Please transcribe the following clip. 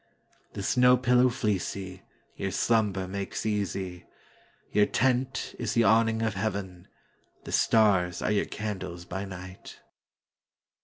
The snow pillow fleecyYour slumber makes easy; Your tent is the awning of heaven, The stars are your candles by night.